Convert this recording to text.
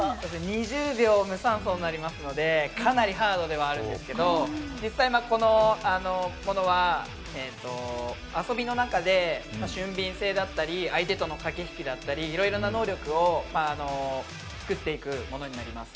２０秒、無酸素になりますのでかなりハードになりますけれど実際、遊びの中で俊敏性だったり相手との駆け引きだったりいろいろな能力をつくっていくものになります